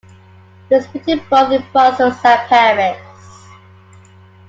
It was printed both in Brussels and Paris.